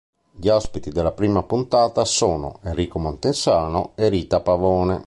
Gli ospiti della prima puntata sono Enrico Montesano e Rita Pavone.